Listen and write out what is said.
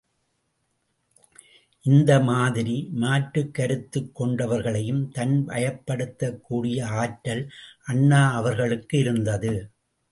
இந்த மாதிரி, மாற்றுக் கருத்துக் கொண்டவர்களையும் தன் வயப்படுத்தக் கூடிய ஆற்றல் அண்ணா அவர்களுக்கு இருந்தது.